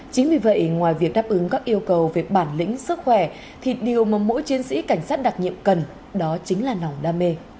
chính vì vậy ngoài việc đáp ứng các yêu cầu về bản lĩnh sức khỏe thì điều mà mỗi chiến sĩ cảnh sát đặc nhiệm cần đó chính là lòng đam mê